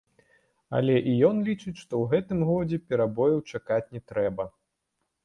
Але і ён лічыць, што ў гэтым годзе перабоеў чакаць не трэба.